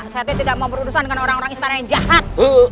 saya tidak mau berurusan dengan orang orang istana yang jahat